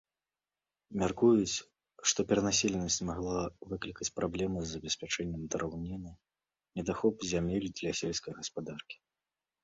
Мяркуюць, што перанаселенасць магла выклікаць праблемы з забеспячэннем драўніны, недахоп зямель для сельскай гаспадаркі.